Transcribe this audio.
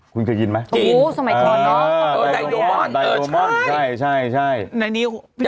คุณเคยยินไหมใช่ใดโดรมอน